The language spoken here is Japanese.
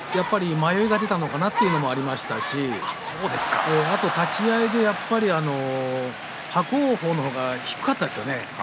迷いが出たのかなということもありましたしあと立ち合い、やっぱり伯桜鵬の方が低かったですね。